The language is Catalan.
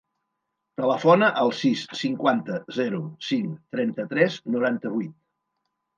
Telefona al sis, cinquanta, zero, cinc, trenta-tres, noranta-vuit.